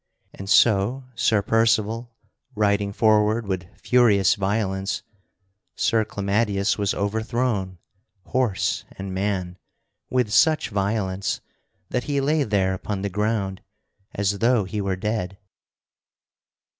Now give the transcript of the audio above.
And so, Sir Percival riding forward with furious violence, Sir Clamadius was overthrown, horse and man, with such violence that he lay there upon the ground as though he were dead.